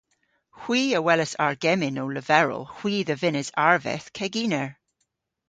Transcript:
Hwi a welas argemmyn ow leverel hwi dhe vynnes arveth keginer.